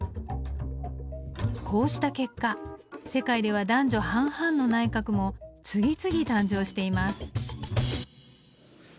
こうした結果世界では男女半々の内閣も次々誕生しています。